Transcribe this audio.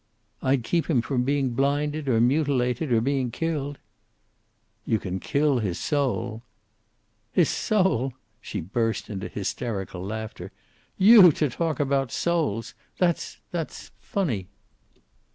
"I'd keep him from being blinded, or mutilated, or being killed." "You can kill his soul." "His soul!" She burst into hysterical laughter. "You to talk about souls! That's that's funny."